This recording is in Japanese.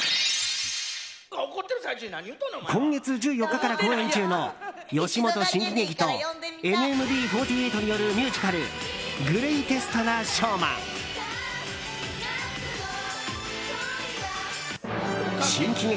今月１４日から公演中の吉本新喜劇とＮＭＢ４８によるミュージカル「ぐれいてすとな笑まん」。